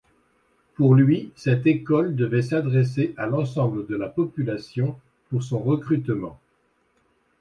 Pour lui, cette école devait s'adresser à l'ensemble de la population pour son recrutement.